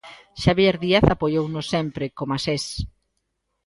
Xabier Díaz apoiounos sempre, coma Sés.